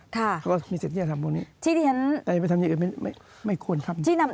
เขาก็มีเศรษฐ์ที่จะทำตรงนี้แต่ไปทำอย่างอื่นไม่ควรครับ